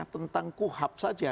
tentang kuhab saja